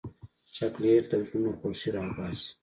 چاکلېټ له زړونو خوښي راوباسي.